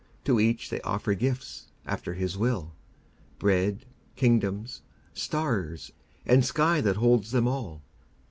To each they offer gifts after his will, Bread, kingdoms, stars, and sky that holds them all.